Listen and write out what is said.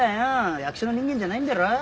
役所の人間じゃないんだろ？